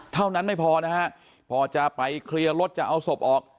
เท่านั้นไม่พอนะฮะพอจะไปเคลียร์รถจะเอาศพออก